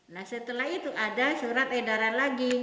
nah setelah itu ada surat edaran lagi